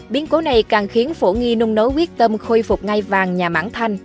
biến cố này càng khiến phổ nghi nung nấu quyết tâm khôi phục ngay vàng nhà mãng thanh